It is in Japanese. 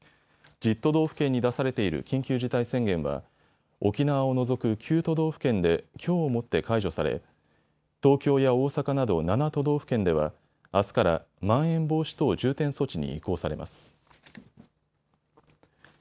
１０都道府県に出されている緊急事態宣言は沖縄を除く９都道府県できょうをもって解除され東京や大阪など７都道府県ではあすから、まん延防止等重点措置に移行されます。